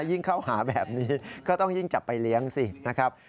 ยิ่งเข้าหาแบบนี้ก็ต้องยิ่งจับไปเลี้ยงสินะครับ